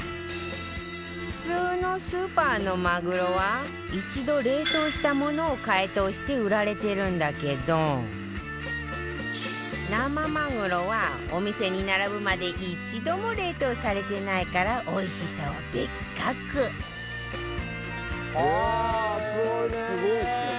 普通のスーパーのマグロは一度冷凍したものを解凍して売られてるんだけど生マグロはお店に並ぶまで一度も冷凍されてないからおいしさは別格はあーすごいね。